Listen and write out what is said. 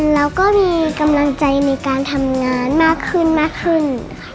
เราก็มีกำลังใจในการทำงานมากขึ้น